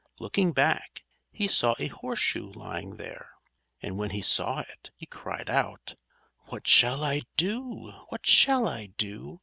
Looking back, he saw a horseshoe lying there. And when he saw it, he cried out: "_What shall I do? What shall I do?